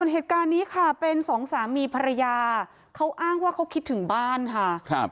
เหตุการณ์นี้ค่ะเป็นสองสามีภรรยาเขาอ้างว่าเขาคิดถึงบ้านค่ะ